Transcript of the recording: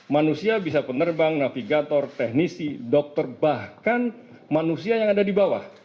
manusia bisa penerbang navigator teknisi dokter bahkan manusia yang ada di bawah